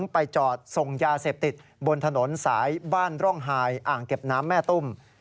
ไปจอดส่งยาเสพติดบนถนนสายบ้านร่องไฮอ่างเก็บน้ำแม่ตุ้ม